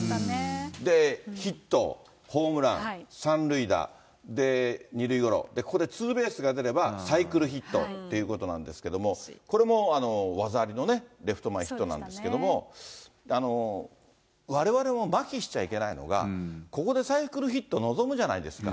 で、ヒット、ホームラン、３塁打、で、２塁ゴロ、ここでツーベースが出ればサイクルヒットっていうことなんですけども、これも技ありのね、レフト前ヒットなんですけれども、われわれ、まひしちゃいけないのは、ここでサイクルヒット望むじゃないですか。